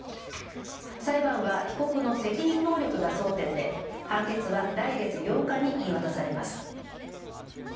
裁判は被告の責任能力が争点で判決は来月８日に言い渡されます。